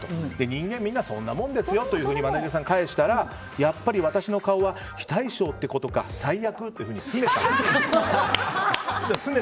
人間、みんなそんなもんですよとマネジャーさんが返したらやっぱり私の顔は非対称ってことか最悪ってすねた。